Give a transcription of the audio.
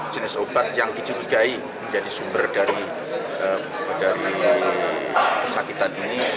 jenis obat yang dicurigai menjadi sumber dari kesakitan ini